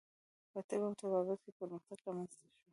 په طب او طبابت کې پرمختګ رامنځته شو.